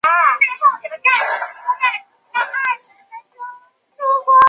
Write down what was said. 宽玉谷精草为谷精草科谷精草属下的一个变种。